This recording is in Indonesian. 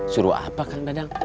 suruh apa kang dadang